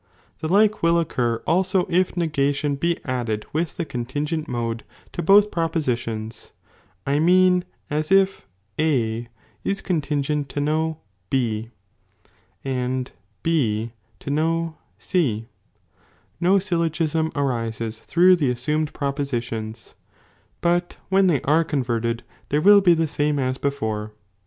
The like will occur also if negation be added with the (lb cue contingent (mode) to both propositions, I mean, as if A ia contingent to no B, and B to no C, no syl logism arises through the assumed propositions, but when they !, When iho arc converted there will be the same as before.